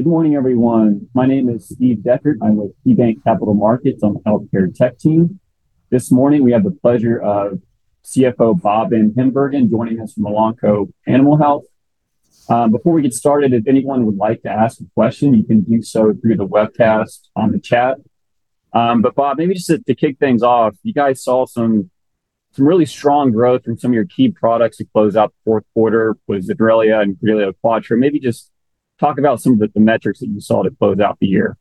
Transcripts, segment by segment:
Good morning, everyone. My name is Steven Dechert. I'm with KeyBanc Capital Markets on the healthcare tech team. This morning we have the pleasure of CFO Bob VanHimbergen joining us from Elanco Animal Health. Before we get started, if anyone would like to ask a question, you can do so through the webcast on the chat. Bob, maybe just to kick things off, you guys saw some really strong growth in some of your key products to close out the fourth quarter with Zenrelia and Credelio Quattro. Maybe just talk about some of the metrics that you saw to close out the year.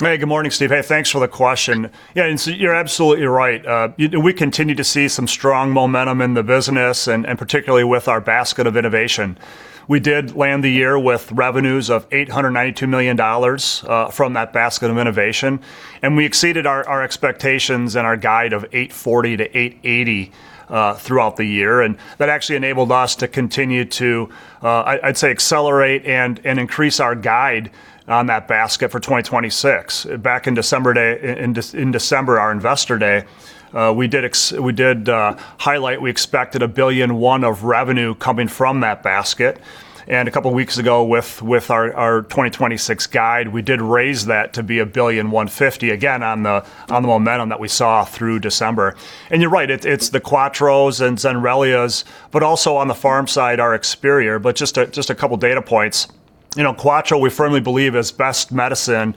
Hey, good morning, Steve. Hey, thanks for the question. Yeah, you're absolutely right. You know, we continue to see some strong momentum in the business and particularly with our basket of innovation. We did end the year with revenues of $892 million from that basket of innovation, and we exceeded our expectations and our guide of $840 million-$880 million throughout the year. That actually enabled us to continue to, I'd say accelerate and increase our guide on that basket for 2026. Back in December, our Investor Day, we did highlight we expected $1.1 billion of revenue coming from that basket. A couple weeks ago with our 2026 guide, we did raise that to $1.15 billion, again, on the momentum that we saw through December. You're right, it's the Quattros and Zenrelias, but also on the farm side, our Experior. Just a couple data points. You know, Quattro we firmly believe is best medicine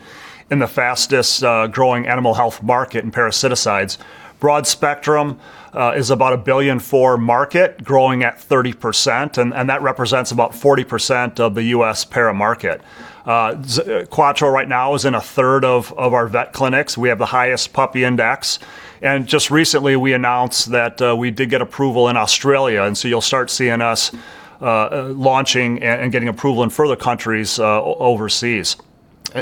in the fastest growing animal health market in parasiticides. Broad spectrum is about a $1 billion market, growing at 30% and that represents about 40% of the U.S. para market. Quattro right now is in a third of our vet clinics. We have the highest puppy index. Just recently we announced that we did get approval in Australia, and so you'll start seeing us launching and getting approval in further countries overseas.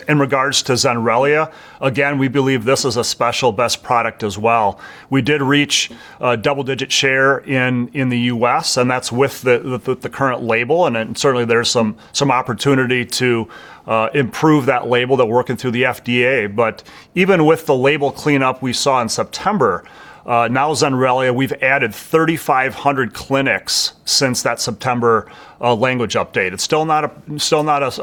In regard to Zenrelia, again, we believe this is a special best product as well. We did reach double-digit share in the U.S. and that's with the current label, and then certainly there are some opportunities to improve that label that we're working through the FDA. Even with the label cleanup we saw in September, now Zenrelia, we've added 3,500 clinics since that September language update. It's still not as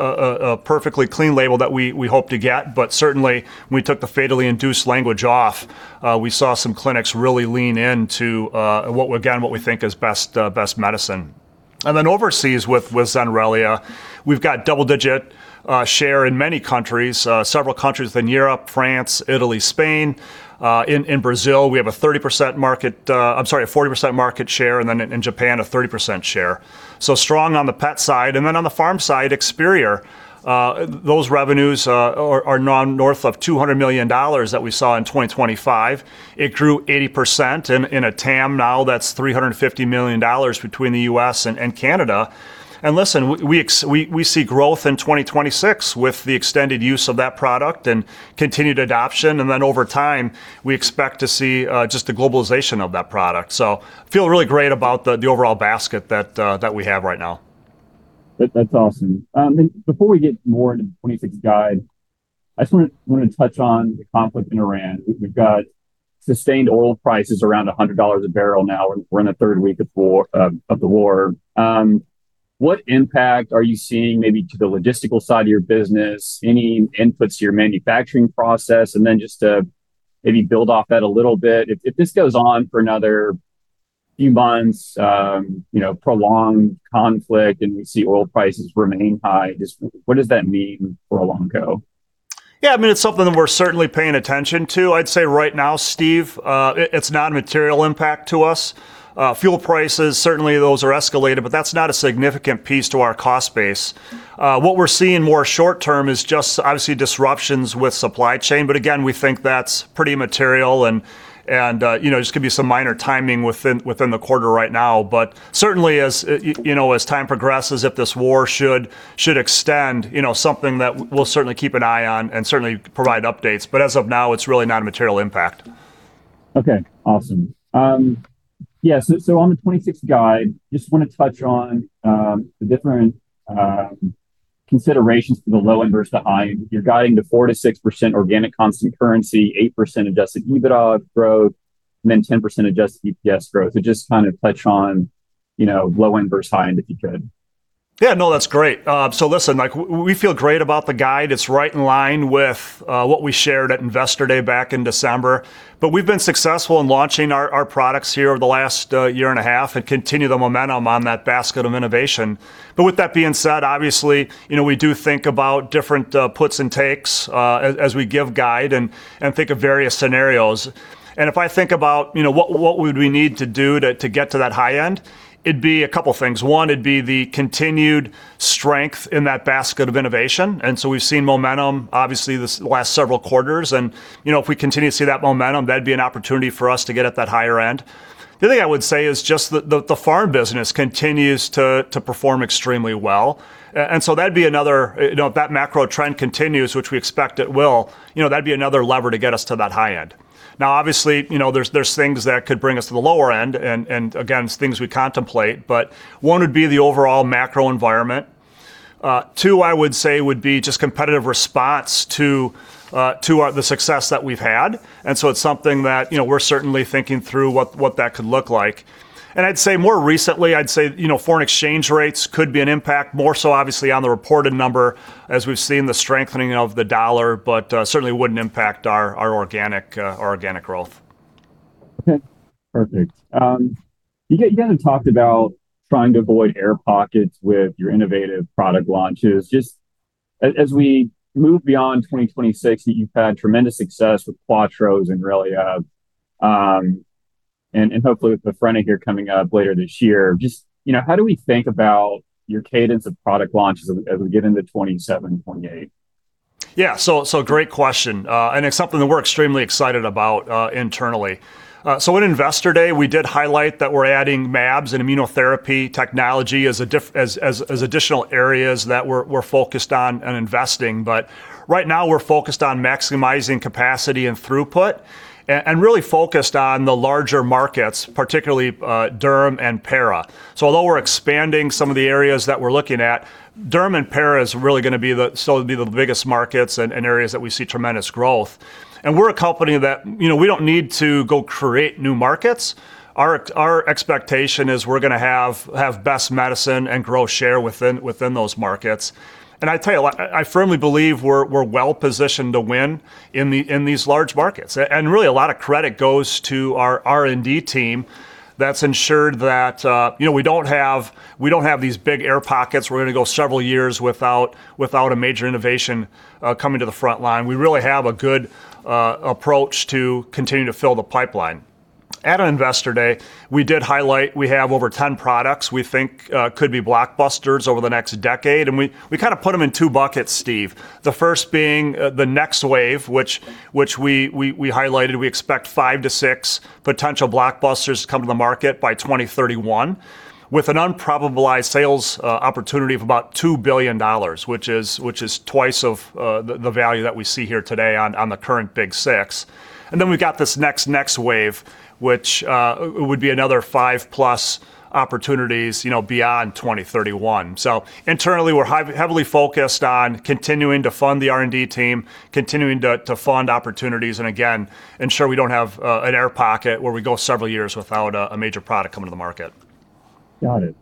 perfectly clean a label that we hope to get, but certainly when we took the fatality-inducing language off, we saw some clinics really lean into what we think is best medicine. Overseas with Zenrelia, we've got double-digit share in many countries. Several countries in Europe, France, Italy, Spain. In Brazil, I'm sorry, we have a 40% market share, and then in Japan a 30% share. Strong on the pet side. On the farm side, Experior. Those revenues are north of $200 million that we saw in 2025. It grew 80% in a TAM now that's $350 million between the U.S. and Canada. Listen, we see growth in 2026 with the extended use of that product and continued adoption, and then over time we expect to see just the globalization of that product. Feel really great about the overall basket that we have right now. That's awesome. Before we get more into the 2026 guide, I just wanna touch on the conflict in Iran. We've got sustained oil prices around $100 a barrel now. We're in the third week of the war. What impact are you seeing maybe to the logistical side of your business, any inputs to your manufacturing process? Just to maybe build off that a little bit, if this goes on for another few months, you know, prolonged conflict and we see oil prices remain high, just what does that mean for Elanco? I mean, it's something that we're certainly paying attention to. I'd say right now, Steve, it's not a material impact to us. Fuel prices, certainly those are escalated, but that's not a significant piece to our cost base. What we're seeing more short term is just obviously disruptions with supply chain, but again, we think that's pretty material and you know, just could be some minor timing within the quarter right now. Certainly as you know, as time progresses, if this war should extend, you know, something that we'll certainly keep an eye on and certainly provide updates. As of now, it's really not a material impact. Okay. Awesome. Yeah, so on the 2026 guide, just wanna touch on the different considerations for the low end versus the high end. You're guiding to 4%-6% organic constant currency, 8% adjusted EBITDA growth, and then 10% adjusted EPS growth. Just kind of touch on, you know, low end versus high end if you could. Yeah, no, that's great. Listen, like we feel great about the guide. It's right in line with what we shared at Investor Day back in December. We've been successful in launching our products here over the last year and a half and continue the momentum on that basket of innovation. With that being said, obviously, you know, we do think about different puts and takes as we give guide and think of various scenarios. If I think about, you know, what would we need to do to get to that high end, it'd be a couple things. One, it'd be the continued strength in that basket of innovation, and so we've seen momentum obviously this last several quarters and, you know, if we continue to see that momentum, that'd be an opportunity for us to get at that higher end. The other thing I would say is just the farm business continues to perform extremely well. That'd be another, you know, if that macro trend continues, which we expect it will, you know, that'd be another lever to get us to that high end. Now obviously, you know, there's things that could bring us to the lower end and again, it's things we contemplate. One would be the overall macro environment. Two, I would say would be just competitive response to the success that we've had. It's something that, you know, we're certainly thinking through what that could look like. I'd say more recently, you know, foreign exchange rates could be an impact, more so obviously on the reported number as we've seen the strengthening of the dollar, but certainly wouldn't impact our organic growth. Okay. Perfect. You kinda talked about trying to avoid air pockets with your innovative product launches. Just as we move beyond 2026, you've had tremendous success with Credelio Quattro and Zenrelia, and hopefully with the Bavencio coming up later this year. Just, you know, how do we think about your cadence of product launches as we get into 2027, 2028? Yeah. Great question, and it's something that we're extremely excited about internally. In Investor Day, we did highlight that we're adding mAbs and immunotherapy technology as additional areas that we're focused on and investing. But right now, we're focused on maximizing capacity and throughput and really focused on the larger markets, particularly derm and para. Although we're expanding some of the areas that we're looking at, derm and para is really gonna be the biggest markets and areas that we see tremendous growth. We're a company that, you know, we don't need to go create new markets. Our expectation is we're gonna have best medicine and grow share within those markets. I tell you, I firmly believe we're well positioned to win in these large markets. Really a lot of credit goes to our R&D team that's ensured that we don't have these big air pockets. We're gonna go several years without a major innovation coming to the front line. We really have a good approach to continue to fill the pipeline. At our Investor Day, we did highlight we have over 10 products we think could be blockbusters over the next decade, and we kinda put them in two buckets, Steve. The first being the next wave, which we highlighted, we expect five to six potential blockbusters to come to the market by 2031 with an unrealized sales opportunity of about $2 billion, which is twice the value that we see here today on the current Big Six. Then we've got this next wave, which would be another five plus opportunities, you know, beyond 2031. Internally, we're heavily focused on continuing to fund the R&D team, continuing to fund opportunities, and again, ensure we don't have an air pocket where we go several years without a major product coming to the market. Got it.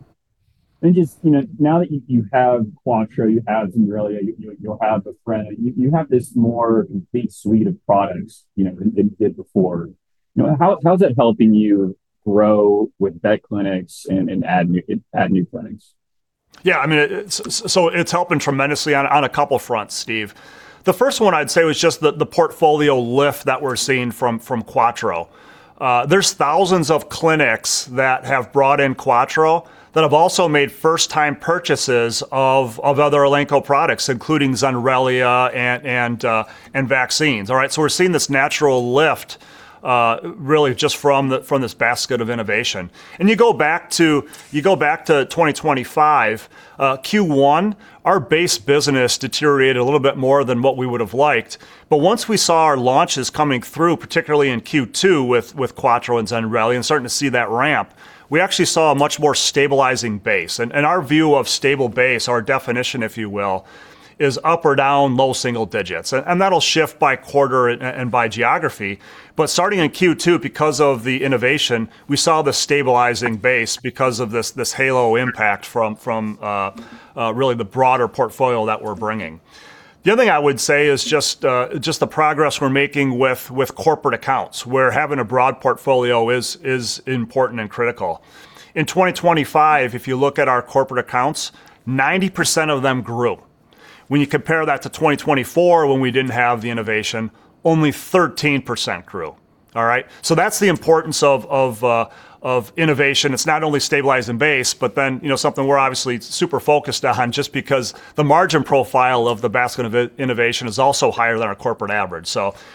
I think it's, you know, now that you have Quattro, you have Zenrelia, you'll have Bavencio, you have this more complete suite of products, you know, than you did before. You know, how's that helping you grow with vet clinics and add new clinics? Yeah, I mean, so it's helping tremendously on a couple of fronts, Steve. The first one I'd say was just the portfolio lift that we're seeing from Quattro. There's thousands of clinics that have brought in Quattro that have also made first-time purchases of other Elanco products, including Zenrelia and vaccines. All right? We're seeing this natural lift really just from this basket of innovation. You go back to 2025 Q1, our base business deteriorated a little bit more than what we would have liked. Once we saw our launches coming through, particularly in Q2 with Quattro and Zenrelia and starting to see that ramp, we actually saw a much more stabilizing base. Our view of stable base, our definition, if you will, is up or down low single digits. And that'll shift by quarter and by geography. Starting in Q2, because of the innovation, we saw the stabilizing base because of this halo impact from really the broader portfolio that we're bringing. The other thing I would say is just the progress we're making with corporate accounts, where having a broad portfolio is important and critical. In 2025, if you look at our corporate accounts, 90% of them grew. When you compare that to 2024, when we didn't have the innovation, only 13% grew. All right. That's the importance of innovation. It's not only stabilizing base, but then, you know, something we're obviously super focused on just because the margin profile of the basket of innovation is also higher than our corporate average.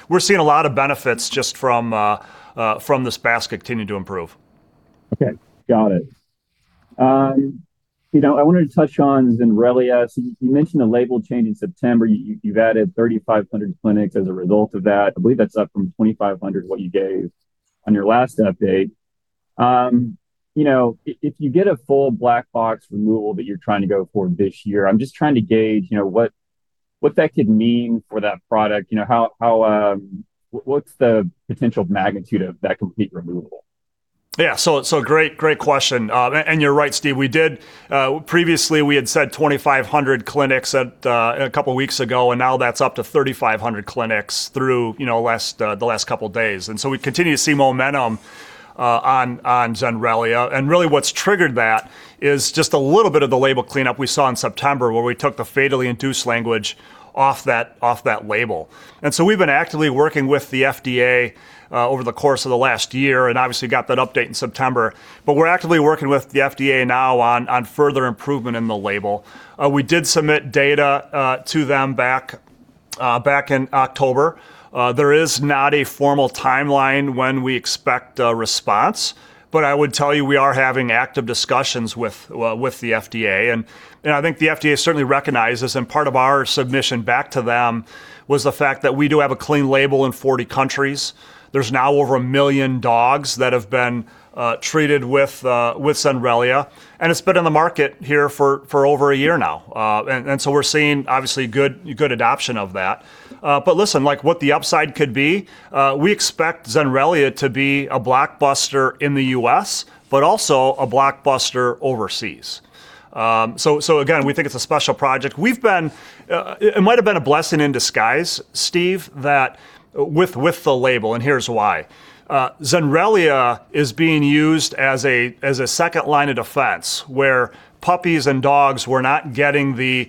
We're seeing a lot of benefits just from this basket continuing to improve. Okay. Got it. You know, I wanted to touch on Zenrelia. You mentioned a label change in September. You've added 3,500 clinics as a result of that. I believe that's up from 2,500, what you gave on your last update. You know, if you get a full black box removal that you're trying to go for this year, I'm just trying to gauge, you know, what that could mean for that product. You know, what's the potential magnitude of that complete removal? Great question. You're right, Steven. We did previously we had said 2,500 clinics a couple of weeks ago, and now that's up to 3,500 clinics through you know the last couple of days. We continue to see momentum on Zenrelia. Really what's triggered that is just a little bit of the label cleanup we saw in September, where we took the fatality-induced language off that label. We've been actively working with the FDA over the course of the last year and obviously got that update in September. We're actively working with the FDA now on further improvement in the label. We did submit data to them back in October. There is not a formal timeline when we expect a response, but I would tell you we are having active discussions with, well, with the FDA. I think the FDA certainly recognizes, and part of our submission back to them was the fact that we do have a clean label in 40 countries. There's now over 1 million dogs that have been treated with Zenrelia, and it's been on the market here for over a year now. We're seeing obviously good adoption of that. But listen, like what the upside could be, we expect Zenrelia to be a blockbuster in the U.S., but also a blockbuster overseas. So again, we think it's a special project. We've been It might have been a blessing in disguise, Steve, that with the label, and here's why. Zenrelia is being used as a second line of defense, where puppies and dogs were not getting the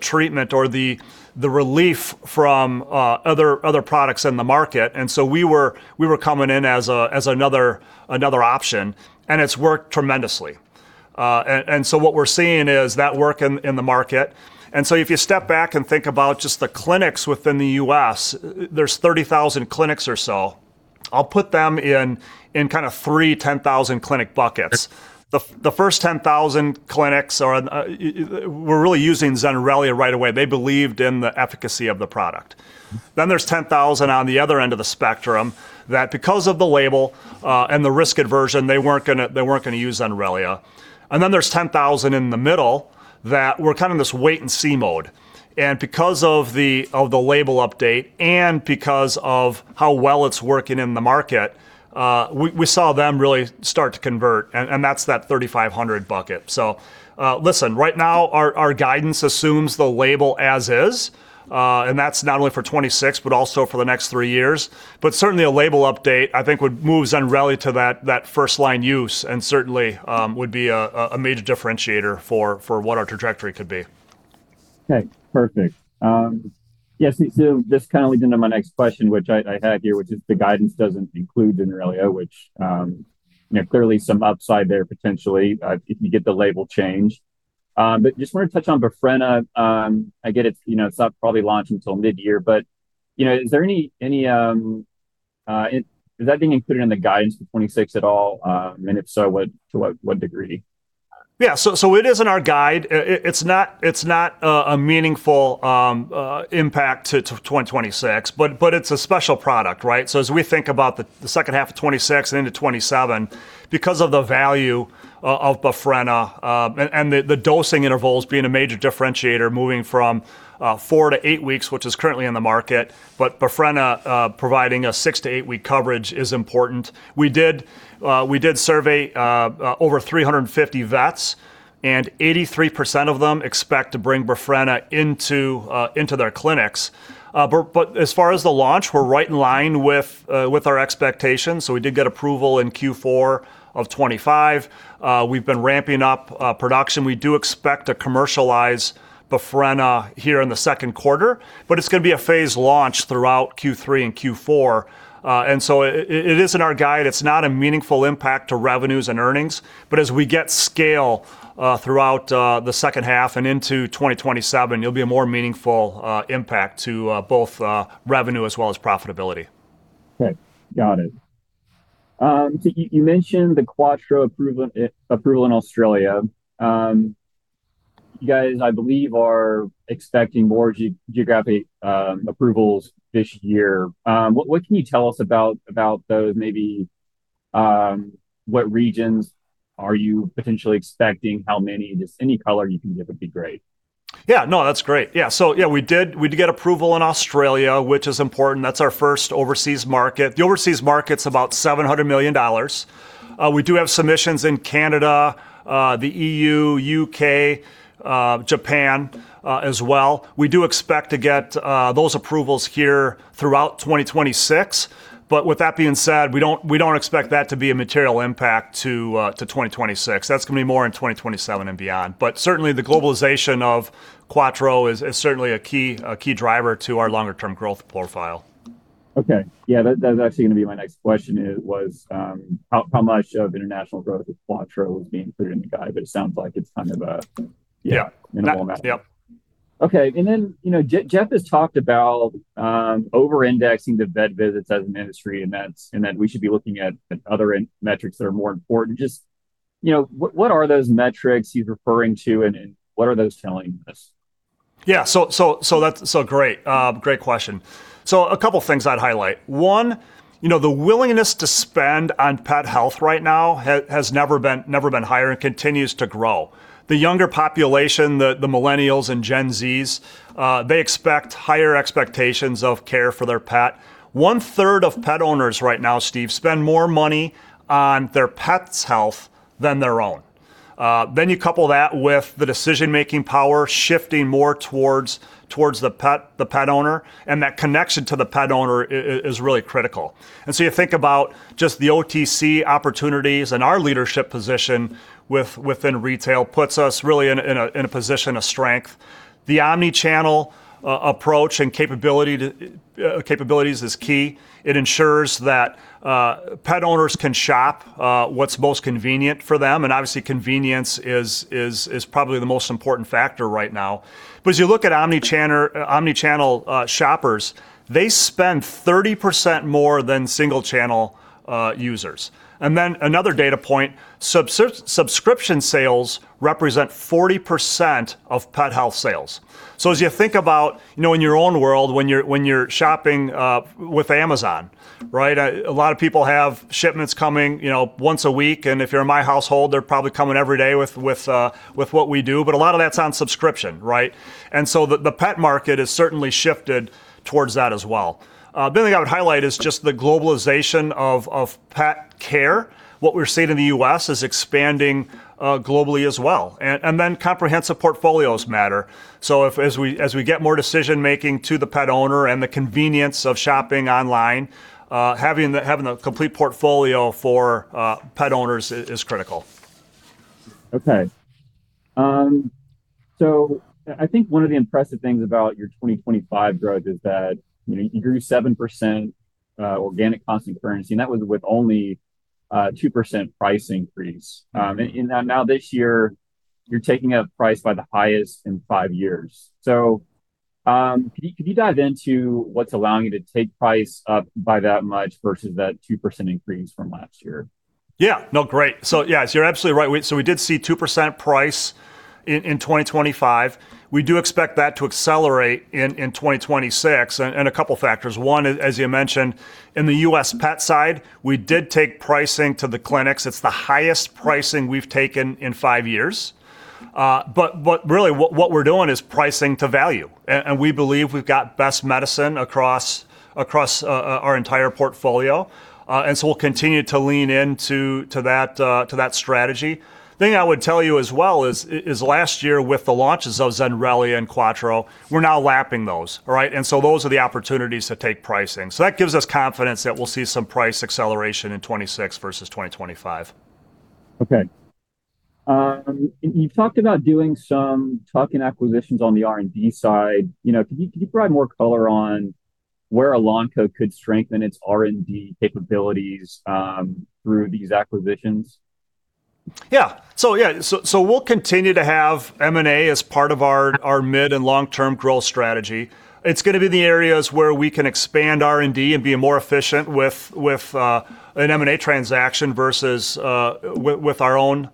treatment or the relief from other products in the market. We were coming in as another option, and it's worked tremendously. What we're seeing is that work in the market. If you step back and think about just the clinics within the U.S., there's 30,000 clinics or so. I'll put them in kinda three 10,000-clinic buckets. The first 10,000 clinics were really using Zenrelia right away. They believed in the efficacy of the product. There's 10,000 on the other end of the spectrum that, because of the label and the risk aversion, they weren't gonna use Zenrelia. There's 10,000 in the middle that were kind of in this wait-and-see mode. Because of the label update and because of how well it's working in the market, we saw them really start to convert, and that's that 3,500 buckets. Listen, right now our guidance assumes the label as is, and that's not only for 2026, but also for the next three years. Certainly, a label update, I think would move Zenrelia to that first-line use and certainly would be a major differentiator for what our trajectory could be. Okay. Perfect. This kinda leads into my next question, which I had here, which is the guidance doesn't include Zenrelia, which you know, clearly some upside there potentially, if you get the label changed. Just wanna touch on Befrena. I get it's, you know, it's not probably launching till midyear, but you know, is that being included in the guidance for 2026 at all? If so, to what degree? Yeah. It is in our guide. It is not a meaningful impact to 2026, but it is a special product, right? As we think about the second half of 2026 and into 2027, because of the value of Bafrena, and the dosing intervals being a major differentiator, moving from four-to-eight-weeks, which is currently in the market, but Bafrena providing a six-to-eight-weeks coverage is important. We did survey over 350 vets, and 83% of them expect to bring Bafrena into their clinics. As far as the launch, we're right in line with our expectations. We did get approval in Q4 of 2025. We've been ramping up production. We do expect to commercialize Befrena here in the second quarter, but it's gonna be a phased launch throughout Q3 and Q4. It is in our guide. It's not a meaningful impact to revenues and earnings, but as we get scale throughout the second half and into 2027, it'll be a more meaningful impact to both revenue as well as profitability. Okay. Got it. You mentioned the Quattro approval in Australia. You guys, I believe, are expecting more geographic approvals this year. What can you tell us about those? Maybe, what regions are you potentially expecting? How many? Just any color you can give would be great. Yeah. No, that's great. Yeah, so yeah, we did get approval in Australia, which is important. That's our first overseas market. The overseas markets about $700 million. We do have submissions in Canada, the E.U., U.K., Japan, as well. We do expect to get those approvals here throughout 2026. With that being said, we don't expect that to be a material impact to 2026. That's gonna be more in 2027 and beyond. Certainly, the globalization of Quattro is certainly a key driver to our longer-term growth profile. Okay. Yeah. That was actually gonna be my next question how much of international growth with Quattro was being included in the guide, but it sounds like it's kind of. Yeah. Minimal amount. Yep. Okay. You know, Jeff has talked about overindexing the vet visits as an industry, and that we should be looking at other metrics that are more important. Just, you know, what are those metrics you're referring to and what are those telling us? Yeah, that's so great. Great question. A couple things I'd highlight. One, you know, the willingness to spend on pet health right now has never been higher and continues to grow. The younger population, the Millennials and Gen Z, they expect higher expectations of care for their pet. One-third of pet owners right now, Steven, spend more money on their pet's health than their own. Then you couple that with the decision-making power shifting more towards the pet owner, and that connection to the pet owner is really critical. You think about just the OTC opportunities and our leadership position within retail puts us really in a position of strength. The omni-channel approach and capabilities is key. It ensures that pet owners can shop what's most convenient for them, and obviously convenience is probably the most important factor right now. As you look at omni-channel shoppers, they spend 30% more than single-channel users. Then another data point, subscription sales represent 40% of pet health sales. As you think about, you know, in your own world, when you're shopping with Amazon, right? A lot of people have shipments coming, you know, once a week. If you're in my household, they're probably coming every day with what we do, but a lot of that's on subscription, right? The pet market has certainly shifted towards that as well. The other thing I would highlight is just the globalization of pet care, what we're seeing in the U.S. is expanding globally as well. Then comprehensive portfolios matter, so as we get more decision-making to the pet owner and the convenience of shopping online, having the complete portfolio for pet owners is critical. Okay. I think one of the impressive things about your 2025 growth is that, you know, you grew 7%, organic constant currency, and that was with only, 2% price increase. Mm-hmm Now this year you're taking a price by the highest in five years. Can you dive into what's allowing you to take price up by that much versus that 2% increase from last year? Yeah. No, great. You're absolutely right. We did see 2% pricing in 2025. We do expect that to accelerate in 2026, and a couple factors. One, as you mentioned, in the U.S. Pet side we did take pricing to the clinics. It's the highest pricing we've taken in five years, but really what we're doing is pricing to value and we believe we've got best medicine across our entire portfolio. We'll continue to lean in to that strategy. The thing I would tell you as well is last year with the launches of Zenrelia and Credelio Quattro, we're now lapping those, right? Those are the opportunities to take pricing. That gives us confidence that we'll see some price acceleration in 2026 versus 2025. Okay. You've talked about doing some tuck-in acquisitions on the R&D side. You know, can you provide more color on where Elanco could strengthen its R&D capabilities through these acquisitions? Yeah. We'll continue to have M&A as part of our mid and long-term growth strategy. It's gonna be in the areas where we can expand R&D and be more efficient with an M&A transaction versus with our own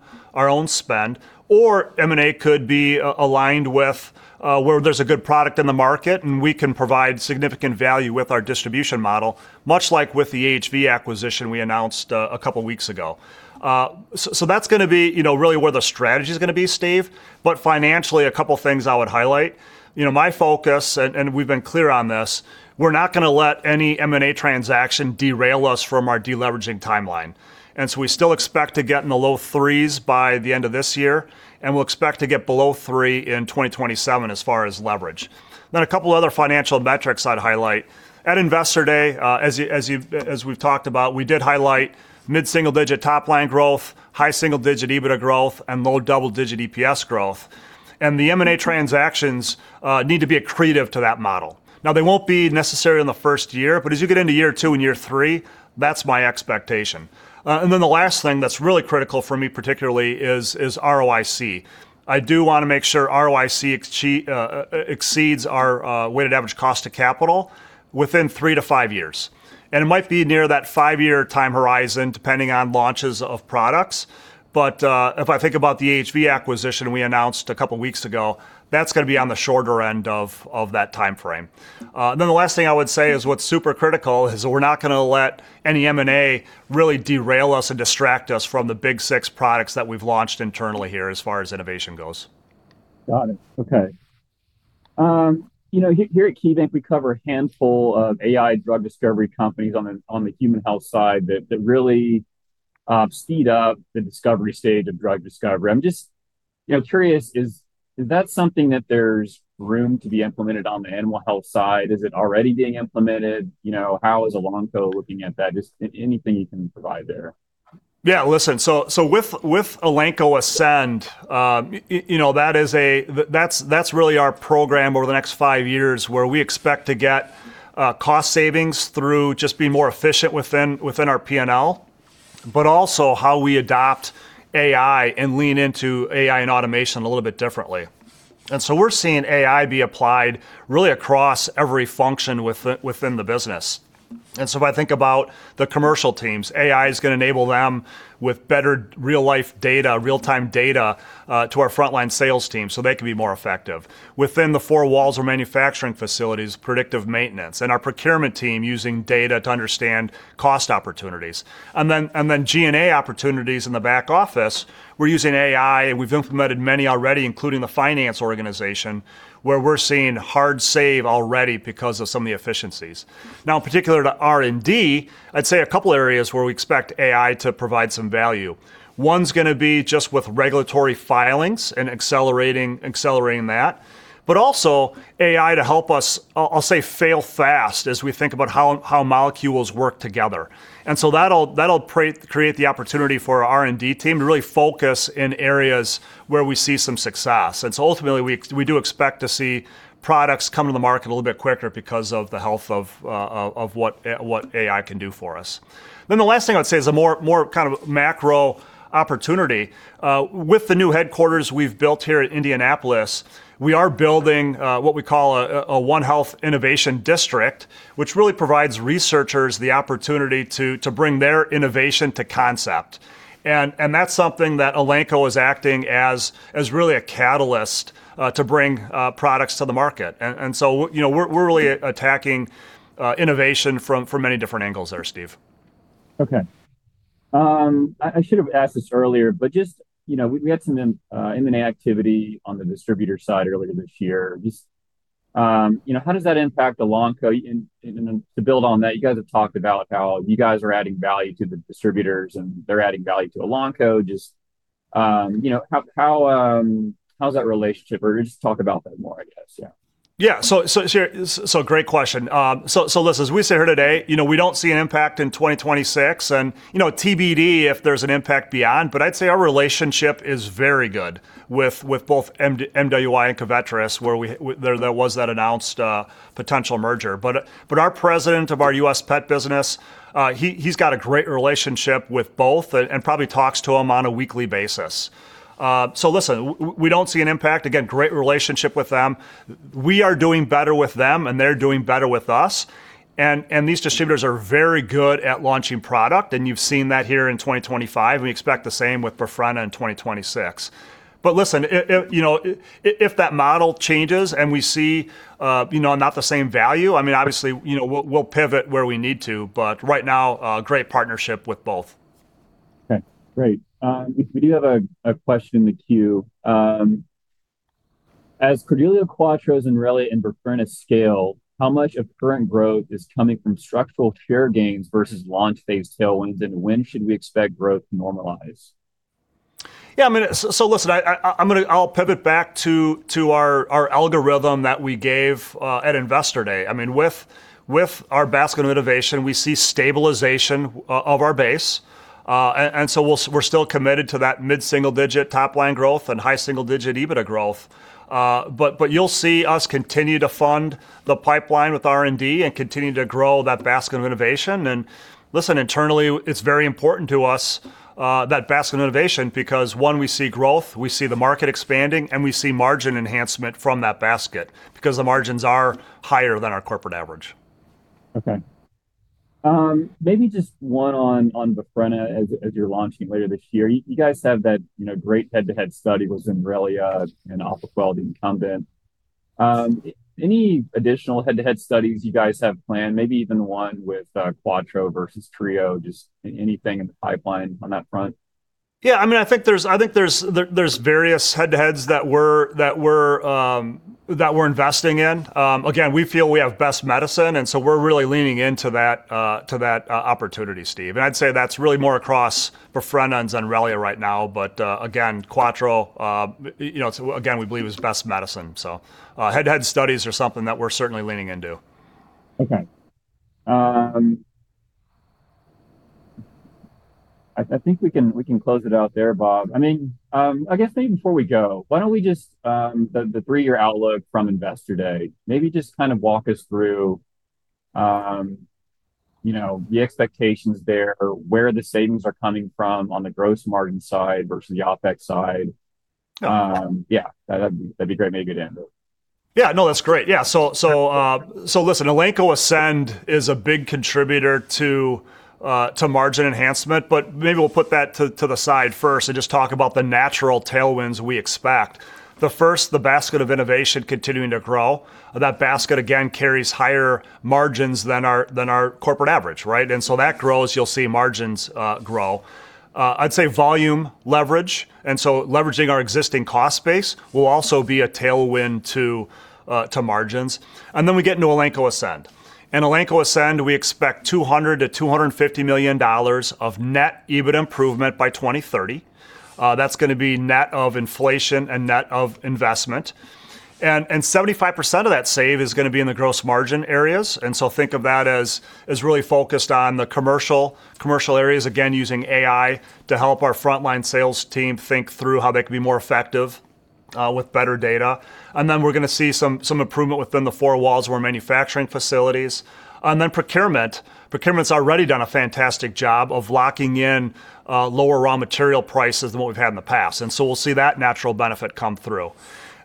spend. Or M&A could be aligned with where there's a good product in the market and we can provide significant value with our distribution model, much like with the AHV International acquisition we announced a couple weeks ago. So, that's gonna be, you know, really where the strategy's gonna be, Steve. But financially, a couple things I would highlight. You know, my focus, and we've been clear on this, we're not gonna let any M&A transaction derail us from our deleveraging timeline, so we still expect to get in the low threes by the end of this year, and we'll expect to get below three in 2027 as far as leverage. A couple other financial metrics I'd highlight. At Investor Day, as we've talked about, we did highlight mid-single-digit top-line growth, high-single-digit EBITDA growth, and low double-digit EPS growth. The M&A transactions need to be accretive to that model. Now, they won't be necessary in the first year, but as you get into year two and year three, that's my expectation. The last thing that's really critical for me particularly is ROIC. I do wanna make sure ROIC exceeds our weighted average cost to capital within three to five years. It might be near that five-year time horizon, depending on launches of products, but if I think about the AHV International acquisition we announced a couple weeks ago, that's gonna be on the shorter end of that timeframe. The last thing I would say is what's super critical is that we're not gonna let any M&A really derail us and distract us from the Big Six products that we've launched internally here as far as innovation goes. Got it. Okay. You know, here at KeyBanc we cover a handful of AI drug discovery companies on the human health side that really speed up the discovery stage of drug discovery. I'm just, you know, curious, is that something that there's room to be implemented on the animal health side? Is it already being implemented? You know, how is Elanco looking at that? Just anything you can provide there. Listen, with Elanco Ascend, you know, that's really our program over the next five years where we expect to get cost savings through just being more efficient within our P&L, but also how we adopt AI and lean into AI and automation a little bit differently. We're seeing AI be applied really across every function within the business. If I think about the commercial teams, AI is gonna enable them with better real-life data, real-time data to our frontline sales team so they can be more effective. Within the four walls of manufacturing facilities, predictive maintenance, and our procurement team using data to understand cost opportunities. G&A opportunities in the back office, we're using AI, and we've implemented many already, including the finance organization, where we're seeing hard savings already because of some of the efficiencies. Now, particular to R&D, I'd say a couple areas where we expect AI to provide some value. One's gonna be just with regulatory filings and accelerating that, but also AI to help us. I'll say fail fast as we think about how molecules work together. That'll create the opportunity for our R&D team to really focus in areas where we see some success. Ultimately, we do expect to see products come to the market a little bit quicker because of the help of what AI can do for us. The last thing I'd say is a more kind of macro-opportunity. With the new headquarters we've built here at Indianapolis, we are building what we call a One Health Innovation District, which really provides researchers the opportunity to bring their innovation to concept. That's something that Elanco is acting as really a catalyst to bring products to the market. You know, we're really attacking innovation from many different angles there, Steve. Okay. I should have asked this earlier, but just, you know, we had some M&A activity on the distributor side earlier this year. Just, you know, how does that impact Elanco? And to build on that, you guys have talked about how you guys are adding value to the distributors and they're adding value to Elanco. Just, you know, how's that relationship? Or just talk about that more, I guess. Yeah. Yeah. Sure. Great question. Listen, as we sit here today, you know, we don't see an impact in 2026 and, you know, TBD if there's an impact beyond. I'd say our relationship is very good with both MWI and Covetrus, there was that announced potential merger. Our president of our U.S. pet business, he's got a great relationship with both and probably talks to them on a weekly basis. Listen, we don't see an impact. Again, great relationship with them. We are doing better with them, and they're doing better with us. These distributors are very good at launching product, and you've seen that here in 2025, and we expect the same with Befrena in 2026. Listen, it you know, if that model changes and we see, you know, not the same value, I mean, obviously, you know, we'll pivot where we need to, but right now, great partnership with both. We do have a question in the queue. As Credelio Quattro and Zenrelia and Befrena scale, how much of current growth is coming from structural share gains versus launch phase tailwinds, and when should we expect growth to normalize? I mean, listen, I'll pivot back to our algorithm that we gave at Investor Day. I mean, with our basket of innovation, we see stabilization of our base. We're still committed to that mid-single-digit top-line growth and high single-digit EBITDA growth. But you'll see us continue to fund the pipeline with R&D and continue to grow that basket of innovation. Listen, internally, it's very important to us, that basket of innovation because one, we see growth, we see the market expanding, and we see margin enhancement from that basket because the margins are higher than our corporate average. Okay. Maybe just one on Befrena as you're launching later this year. You guys have that, you know, great head-to-head study with Zenrelia and Apoquel incumbent. Any additional head-to-head studies you guys have planned, maybe even one with Quattro versus Trio, just anything in the pipeline on that front? I mean, I think there's various head-to-heads that we're investing in. Again, we feel we have the best medicine, and so we're really leaning into that opportunity, Steve. I'd say that's really more across Befrena and Zenrelia right now. Again, Quattro, we believe is best medicine. Head-to-head studies are something that we're certainly leaning into. Okay. I think we can close it out there, Bob. I mean, I guess maybe before we go, why don't we just the three-year outlook from Investor Day, maybe just kind of walk us through, you know, the expectations there or where the savings are coming from on the gross margin side versus the OpEx side. Yeah, that'd be great. Maybe a good end. Yeah, no, that's great. Yeah. Listen, Elanco Ascend is a big contributor to margin enhancement, but maybe we'll put that to the side first and just talk about the natural tailwinds we expect. The first, the basket of innovation continuing to grow. That basket again carries higher margins than our corporate average, right? That grows. You'll see margins grow. I'd say volume leverage, and so leveraging our existing cost base will also be a tailwind to margins. Then we get into Elanco Ascend. In Elanco Ascend, we expect $200 million-$250 million of net EBIT improvement by 2030. That's gonna be net of inflation and net of investment. 75% of that save is gonna be in the gross margin areas. Think of that as really focused on the commercial areas, again, using AI to help our frontline sales team think through how they can be more effective with better data. We're gonna see some improvement within the four walls of our manufacturing facilities. Procurement. Procurement's already done a fantastic job of locking in lower raw material prices than what we've had in the past. We'll see that natural benefit come through.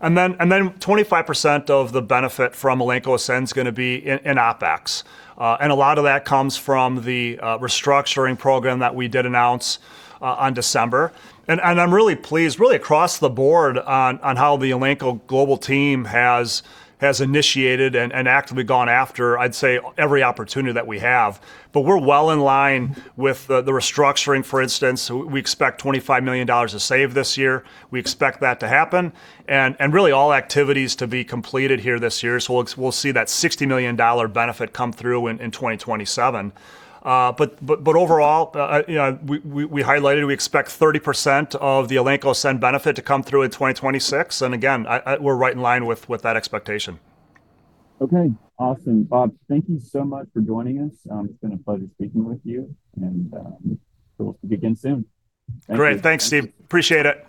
25% of the benefit from Elanco Ascend's gonna be in OpEx. A lot of that comes from the restructuring program that we did announce on December. I'm really pleased across the board on how the Elanco global team has initiated and actively gone after, I'd say, every opportunity that we have. We're well in line with the restructuring, for instance. We expect $25 million of savings this year. We expect that to happen and really all activities to be completed here this year. We'll see that $60 million benefit come through in 2027. But overall, you know, we highlighted we expect 30% of the Elanco Ascend benefit to come through in 2026. We're right in line with that expectation. Okay, awesome. Bob, thank you so much for joining us. It's been a pleasure speaking with you and we'll begin soon. Thank you. Great. Thanks, Steve. Appreciate it.